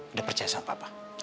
udah percaya sama papa